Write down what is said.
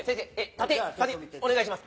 お願いします。